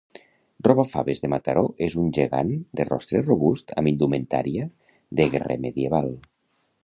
Robafaves de Mataró és un gegant de rostre robust amb indumentària de guerrer medieval